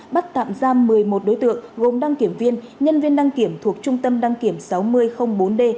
bắt tạm giam một mươi một đối tượng gồm đăng kiểm viên nhân viên đăng kiểm thuộc trung tâm đăng kiểm sáu nghìn bốn d